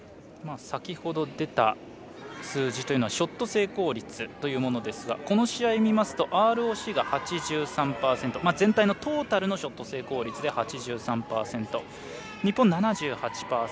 先ほど出た数字というのはショット成功率ですがこの試合を見るとＲＯＣが８３％全体のトータルのショット成功率で８３％日本、７８％。